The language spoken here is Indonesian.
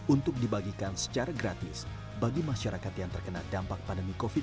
untuk dibagikan secara gratis bagi masyarakat yang terkena dampak pandemi covid sembilan belas